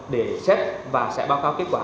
để xét và sẽ báo cáo kết quả